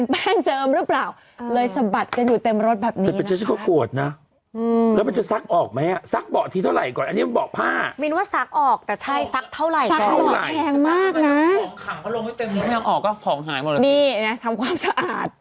ขังเขาลงให้เต็มถ้าไม่เอาออกก็ของหายหมดแล้วนี่เนี้ยทำความสะอาด